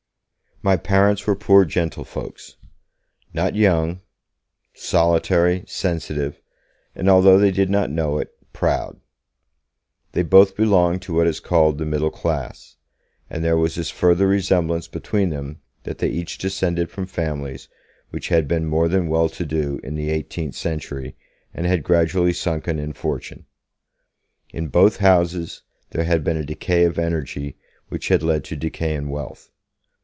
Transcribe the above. My parents were poor gentlefolks; not young; solitary, sensitive, and although they did not know it, proud. They both belonged to what is called the Middle Class, and there was this further resemblance between them that they each descended from families which had been more than well to do in the eighteenth century, and had gradually sunken in fortune. In both houses there had been a decay of energy which had led to decay in wealth.